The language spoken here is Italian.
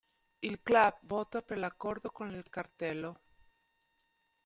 Il club vota per l'accordo con il cartello.